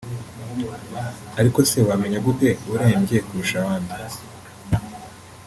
ariko se wamenya gute urembye kurusha abandi